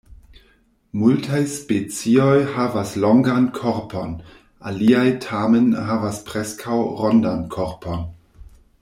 Multaj specioj havas longan korpon, aliaj tamen havas preskaŭ rondan korpon.